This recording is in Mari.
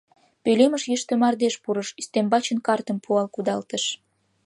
Пӧлемыш йӱштӧ мардеж пурыш, ӱстембачын картым пуал кудалтыш.